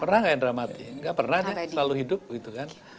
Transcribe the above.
pernah gak rendra mati enggak pernah selalu hidup gitu kan